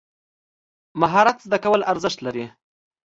مهارت زده کول ارزښت لري.